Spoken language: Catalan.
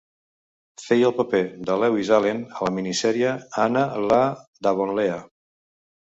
Feia el paper de Lewis Allen a la minisèrie Anna la d'Avonlea.